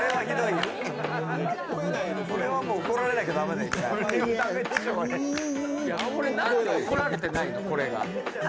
なんで怒られてないの、これが？